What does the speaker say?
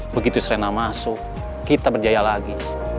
begitu serena masuk kita berjaya lagi